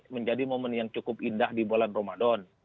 menjadi momen yang cukup indah di bulan ramadan